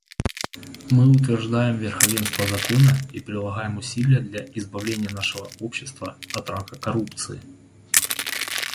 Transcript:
Мы утверждаем верховенство закона и прилагаем усилия для избавления нашего общества от рака коррупции.